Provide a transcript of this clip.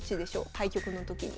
対局の時に。